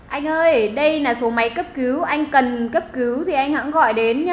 anh ơi đây là số máy cấp cứu anh cần cấp cứu thì anh hẵng gọi đến nhá